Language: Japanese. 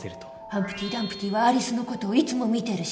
ハンプティ・ダンプティはアリスの事をいつも見てるし。